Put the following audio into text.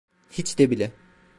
Hiç de bile.